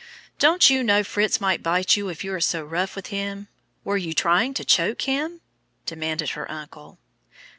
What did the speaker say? "Don't you know Fritz might bite if you are so rough with him? Were you trying to choke him?" demanded her uncle.